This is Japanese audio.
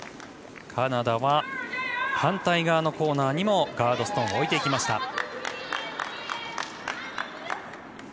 カナダは反対側のコーナーにもガードストーン置いていきました。